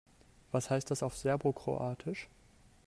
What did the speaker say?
Was heißt das auf Serbokroatisch?